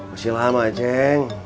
masih lama ceng